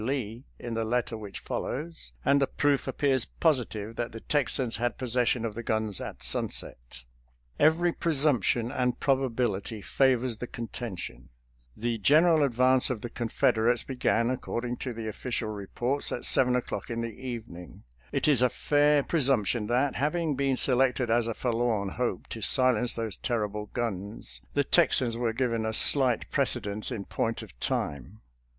Lee in the letter which follows, and the proof appears positive that the Texans had possession of the guns at sunset. Every presumption and probability favors the contention. The general advance of the Confed erates began, according to the official reports, at 302 SOLDIER'S LETTERS TO CHARMING NELLIE seven o'clock in the evening. It is a fair pre sumption that, having been selected as a forlorn hope to silence those terrible guns, the Texans were given a slight precedence in point of time.